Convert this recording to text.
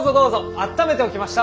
あっためておきました。